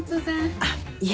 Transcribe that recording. あっいえ。